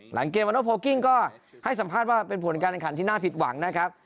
หลังเกมวันโนโพลกิ้งก็ให้สัมภาษณ์ว่าเป็นผลการแข่งขันที่น่าผิดหวังนะครับ